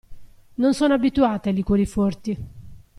Non sono abituata ai liquori forti.